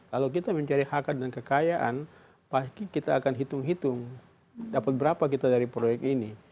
kalau kita mencari hakat dan kekayaan pasti kita akan hitung hitung dapat berapa kita dari proyek ini